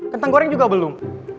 kentang goreng juga belum